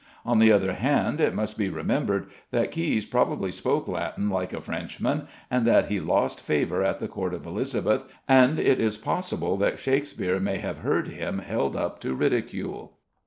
On the other hand, it must be remembered that Caius probably spoke Latin like a Frenchman and that he lost favour at the court of Elizabeth, and it is possible that Shakspeare may have heard him held up to ridicule.